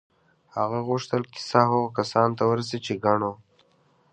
هغه غوښتل کیسه هغو کسانو ته ورسوي چې کڼ وو